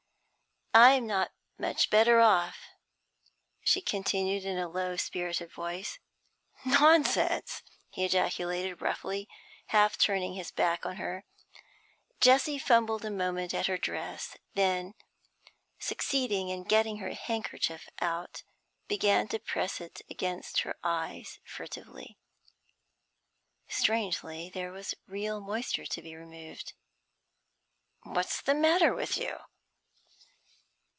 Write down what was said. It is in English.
'I'm not much better off,' she continued, in a low spirited voice. 'Nonsense!' he ejaculated, roughly, half turning his back on her. Jessie fumbled a moment at her dress; then, succeeding in getting her handkerchief out, began to press it against her eyes furtively. Strangely, there was real moisture to be removed. 'What's the matter with you?'